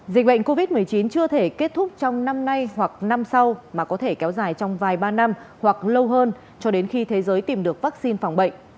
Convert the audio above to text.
dịch bệnh covid một mươi chín chưa thể kết thúc trong năm nay hoặc năm sau mà có thể kéo dài trong vài ba năm hoặc lâu hơn cho đến khi thế giới tìm được vaccine phòng bệnh